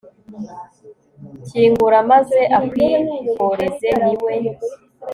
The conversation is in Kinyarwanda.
kingura maze akwihoreze, ni we